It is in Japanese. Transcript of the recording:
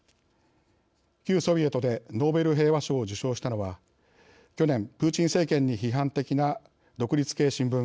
旧ソビエトでノーベル平和賞を受賞したのは去年、プーチン政権に批判的な独立系新聞